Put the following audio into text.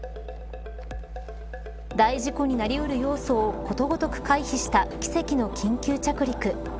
大事故になり得る要素をことごとく回避した奇跡の緊急着陸。